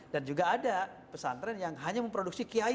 dan juga ada pesantren yang hanya memproduksi kiai